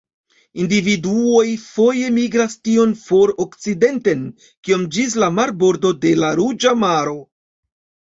Individuoj foje migras tiom for okcidenten kiom ĝis la marbordo de la Ruĝa Maro.